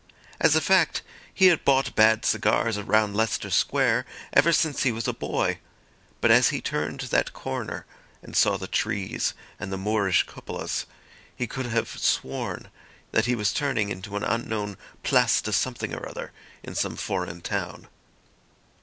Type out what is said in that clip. As a fact, he had bought bad cigars round Leicester Square ever since he was a boy. But as he turned that corner, and saw the trees and the Moorish cupolas, he could have sworn that he was turning into an unknown Place de something or other in some foreign town.